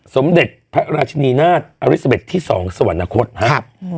สมเด็จพระราชนีนาฏอลิซาเบ็ดที่๒สวรรคตครับ